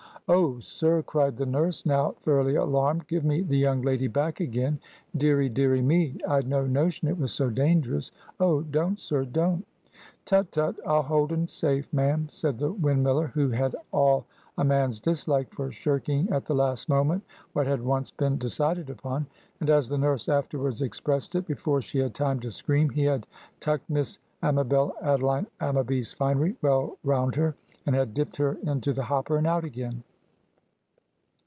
"Oh, sir!" cried the nurse, now thoroughly alarmed, "give me the young lady back again. Deary, deary me! I'd no notion it was so dangerous. Oh, don't, sir! don't!" "Tut, tut! I'll hold un safe, ma'am," said the windmiller, who had all a man's dislike for shirking at the last moment what had once been decided upon; and, as the nurse afterwards expressed it, before she had time to scream, he had tucked Miss Amabel Adeline Ammaby's finery well round her, and had dipped her into the hopper and out again.